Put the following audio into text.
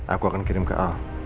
aku akan kirim ke a